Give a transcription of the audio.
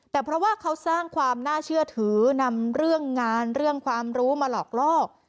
แต่เพราะว่าเขาสร้างความน่าเชื่อถือนำเรื่องงานเรื่องความรู้มาหลอกลอก